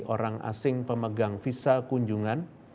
orang asing pemegang visa kunjungan